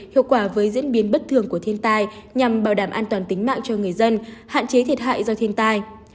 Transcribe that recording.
hiệu quả với diễn biến bất thường của thiên tai nhằm bảo đảm an toàn tính mạng cho người dân hạn chế thiệt hại do thiên tai